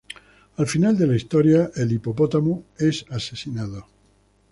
Al final de la historia el hipopótamo es asesinado.